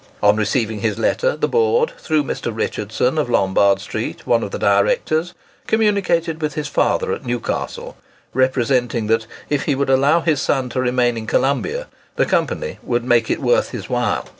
On receiving his letter, the Board, through Mr. Richardson, of Lombard street, one of the directors, communicated with his father at Newcastle, representing that if he would allow his son to remain in Colombia the Company would make it "worth his while."